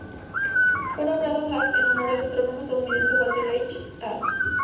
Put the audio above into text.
Fue nombrado Haas en honor al astrónomo estadounidense Walter H. Haas.